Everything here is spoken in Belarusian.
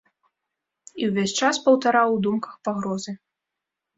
І ўвесь час паўтараў у думках пагрозы.